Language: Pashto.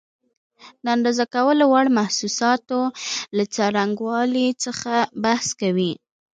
د اندازه کولو وړ محسوساتو له څرنګوالي څخه بحث کوي.